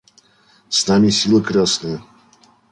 С нами сила крестная.